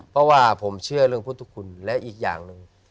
เพราะว่าผมเชื่อเรื่องพุทธคุณและอีกอย่างหนึ่ง